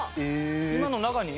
今の中に？